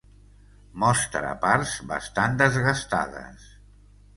Mostra parts bastant desgastades.